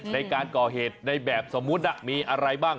ในการก่อเหตุในแบบสมมุติมีอะไรบ้าง